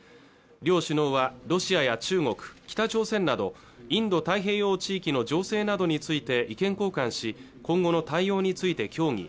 両首脳はロシアや中国北朝鮮などインド太平洋地域の情勢などについて意見交換し今後の対応について協議